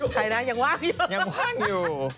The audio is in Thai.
ใครนะยังว่างอยู่ยังว่างอยู่